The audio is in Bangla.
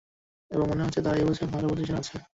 এবং মনে হচ্ছে তারা এই বছর ভালো পজিশনে আছে।